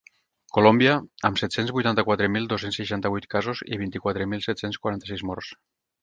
Colòmbia, amb set-cents vuitanta-quatre mil dos-cents seixanta-vuit casos i vint-i-quatre mil set-cents quaranta-sis morts.